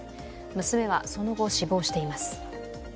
娘はその後死亡しています。